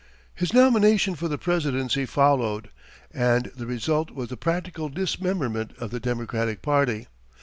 His nomination for the Presidency followed, and the result was the practical dismemberment of the Democratic party.